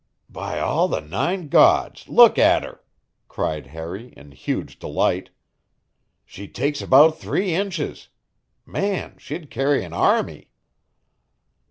"By all the nine gods, look at her!" cried Harry in huge delight. "She takes about three inches! Man, she'd carry an army!"